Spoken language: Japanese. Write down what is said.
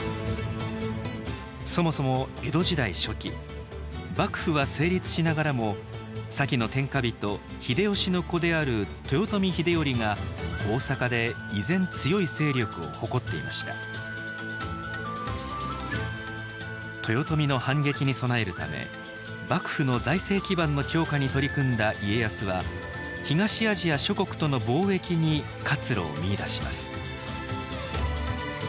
そもそも江戸時代初期幕府は成立しながらも先の天下人秀吉の子である豊臣秀頼が大坂で依然強い勢力を誇っていました豊臣の反撃に備えるため幕府の財政基盤の強化に取り組んだ家康は東アジア諸国との貿易に活路を見いだします